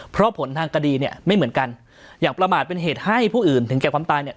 เพราะผลทางคดีเนี่ยไม่เหมือนกันอย่างประมาทเป็นเหตุให้ผู้อื่นถึงแก่ความตายเนี่ย